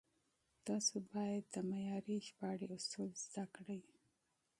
تاسو بايد د معياري ژباړې اصول زده کړئ.